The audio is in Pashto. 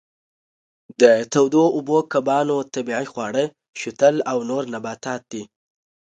د تودو اوبو کبانو طبیعي خواړه شوتل او نور نباتات دي.